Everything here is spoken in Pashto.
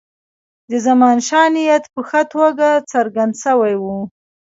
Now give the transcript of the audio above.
د زمانشاه نیت په ښه توګه څرګند شوی وو.